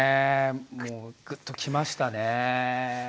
もうグッときましたねえ。